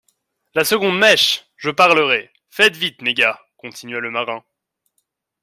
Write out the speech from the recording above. La seconde mèche ! Je parlerai !… Faites vite, mes gars ! continua le marin.